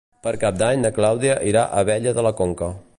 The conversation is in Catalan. Per Cap d'Any na Clàudia irà a Abella de la Conca.